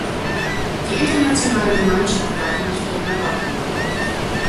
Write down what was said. Die internationale Gemeinschaft darf nicht länger warten.